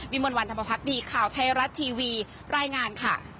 วิมวันธรรมพักษ์ดีข่าวไทยรัฐทีวีรายงาน